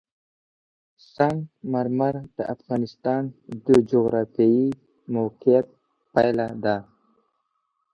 سنگ مرمر د افغانستان د جغرافیایي موقیعت پایله ده.